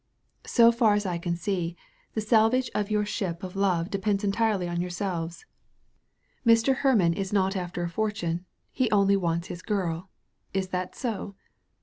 "So far as I can see, the salvage of your ship of 243 THE VALLEY OP VISION love depends entirely on yourselves. Mr. Her mann is not after a fortune* he only wants his girl; is that so?